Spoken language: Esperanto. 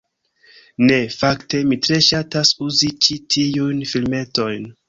Ne, fakte, mi tre ŝatas uzi ĉi tiujn filmetojn